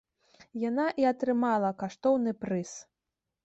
Яна і атрымала каштоўны прыз.